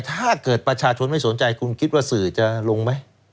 ถ้าเกิดประชาชนไม่สนใจคุณคิดว่าสื่อจะลงไหม